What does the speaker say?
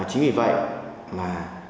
chính vì vậy mà